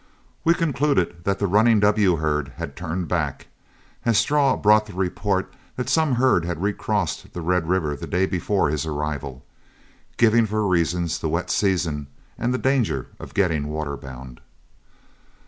We concluded that the "Running W" herd had turned back, as Straw brought the report that some herd had recrossed Red River the day before his arrival, giving for reasons the wet season and the danger of getting waterbound.